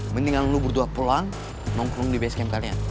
mendingan lu berdua pulang nongkrong di base camp kalian